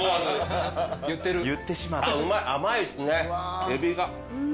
うまい甘いですねエビが。